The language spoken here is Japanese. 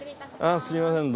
あっすいません。